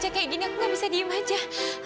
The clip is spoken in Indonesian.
aku tidak bisa diam saja seperti ini